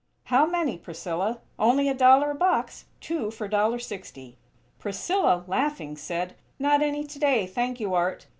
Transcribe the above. How many, Priscilla? Only a dollar a box; two for dollar sixty!" Priscilla, laughing, said: "Not any today, thank you, Art!